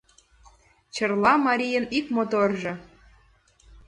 Чарла марийын ик моторжо